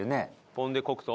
ポン・デ・黒糖？